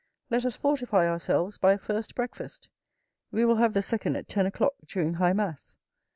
Let us fortify ourselves by a first breakfast. We will have the second at ten o'clock during high mass."